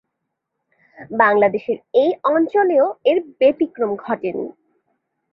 বাংলাদেশের এই অঞ্চলেও এর ব্যতিক্রম ঘটে নি।